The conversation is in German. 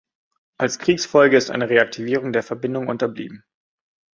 Als Kriegsfolge ist eine Reaktivierung der Verbindung unterblieben.